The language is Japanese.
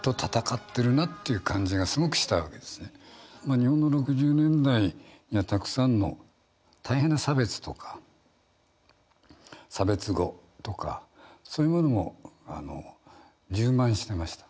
日本の６０年代にはたくさんの大変な差別とか差別語とかそういうものも充満してました。